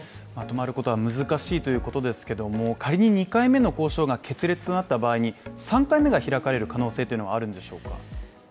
止まることは難しいということですけども仮に２回目の交渉が決裂となった場合に３回目が開かれる可能性というのはあるんでしょうか？